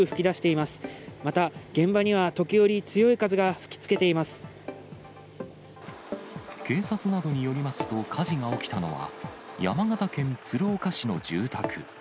また、現場には時折、警察などによりますと、火事が起きたのは、山形県鶴岡市の住宅。